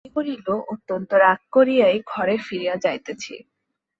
মনে করিল, অত্যন্ত রাগ করিয়াই ঘরে ফিরিয়া যাইতেছি।